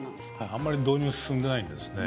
あまり導入が進んでいないですね。